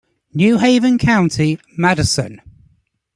New Haven County - Madison.